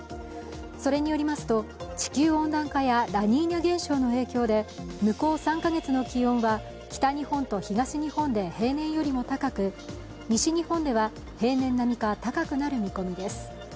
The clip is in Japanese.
それによりますと、地球温暖化やラニーニャ現象の影響で向こう３カ月の気温は北日本と東日本で平年よりも高く西日本では平年並みか高くなる見込みです。